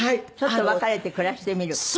ちょっと別れて暮らしてみる。